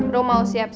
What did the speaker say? rom mau siap siap